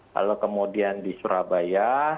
lalu kemudian di surabaya